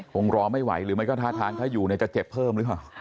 หงรอไม่ไหวหรือถ้าอยู่จะเจ็บเพิ่มหรือเปล่า